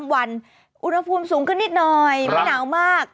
วันอุณหภูมิสูงขึ้นนิดหน่อยไม่หนาวมาก